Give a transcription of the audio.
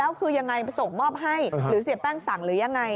แล้วคือยังไงส่งมอบให้หรือเสียแป้งสั่งหรือยังไง